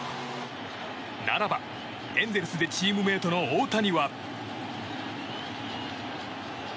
ならばエンゼルスでチームメートの大谷は？